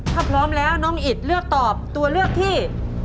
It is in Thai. ถ้าพร้อมแล้วน้องอิดเลือกตอบตัวเลือกที่